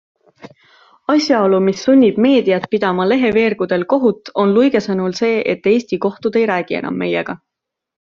Asjaolu, mis sunnib meediat pidama leheveergudel kohut, on Luige sõnul see, et Eesti kohtud ei räägi enam meiega.